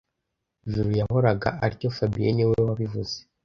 Juru yahoraga atyo fabien niwe wabivuze